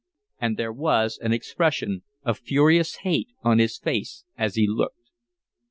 And there was an expression of furious hate on his face as he looked.